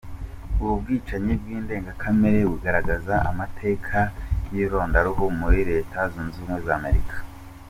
Ubu bwicanyi bw’indengakamere bugaragaza amateka y’irondaruhu muri Leta Zunze Ubumwe za Amerika.